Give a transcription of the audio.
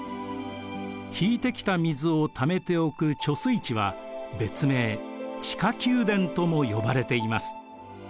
引いてきた水をためておく貯水池は別名地下宮殿とも呼ばれています。